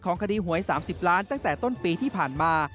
คดีหวย๓๐ล้านตั้งแต่ต้นปีที่ผ่านมา